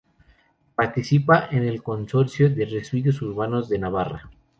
Participa en el Consorcio de Residuos Urbanos de Navarra.